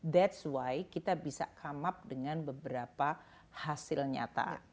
that s why kita bisa come up dengan beberapa hasil nyata